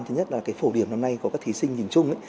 thứ nhất là cái phổ điểm năm nay của các thí sinh nhìn chung